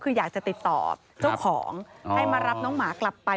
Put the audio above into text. คืออยากจะติดต่อเจ้าของให้มารับน้องหมากลับไป